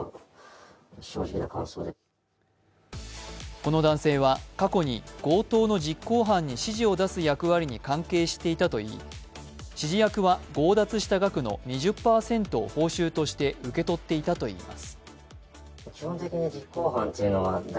この男性は過去に強盗の実行犯に指示を出す役割に関係していたといい、指示役は強奪した額の２０％を報酬として受け取っていたといいます。